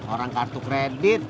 orang kartu kredit